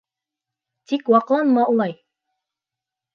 Тик ваҡланма улай.